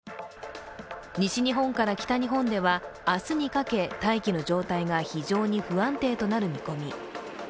西日本から北日本では明日にかけ、大気の状態が非常に不安定となる見込み。